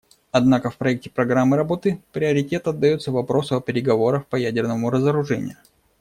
Однако в проекте программы работы приоритет отдается вопросу о переговорах по ядерному разоружению.